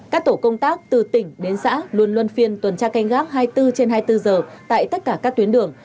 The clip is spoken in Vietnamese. các tổ công tác từ tỉnh đến xã luôn luôn phiên tuần tra canh gác hai mươi bốn trên hai mươi bốn giờ tại tất cả các tuyến đường